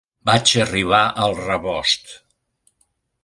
Vaig arribar al rebost.